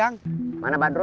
hanya lover baru